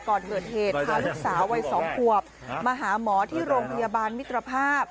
ก่อนเกิดเหตุพาลูกสาววัย๒ขวบมาหาหมอที่โรงพยาบาลมิตรภาพ